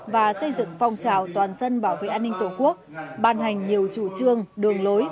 và xây dựng phong trào toàn dân bảo vệ an ninh tổ quốc ban hành nhiều chủ trương đường lối